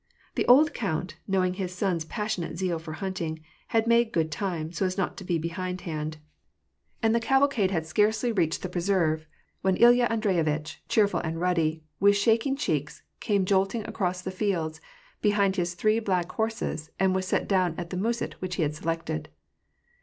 The old count, knowing his son's passionate zeal for hunting, had made good time, so as not to be behindhand \ and the caval WAR AND PEACE. 255 cade had scarcely reached the preserve, when Ilya Andreyitch, cheerful and mddy, with shaking cheeks, came jolting across the fields, behind his three black horses, and was set down at the muset which he had selected.